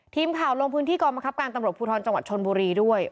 ทีมข่าวลงพื้นที่กองบังคับการตำรวจภูทรจังหวัดชนบุรีด้วย